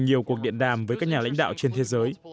nhiều cuộc điện đàm với các nhà lãnh đạo trên thế giới